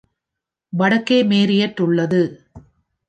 வடக்கே Mariotte உள்ளது.